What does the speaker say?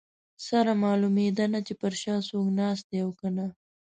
سره معلومېده نه چې پر شا څوک ناست دي او که نه.